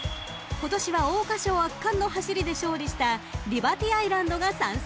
今年は桜花賞を圧巻の走りで勝利したリバティアイランドが参戦］